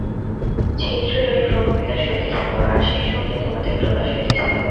ছিদ্রেরই ক্রমবিকাশ হইতেছিল, আর সেই সঙ্গে তোমাদের প্রকাশ হইতেছিল।